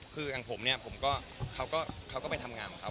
คือกับผมเนี่ยเขาก็ไปทำงานของเขา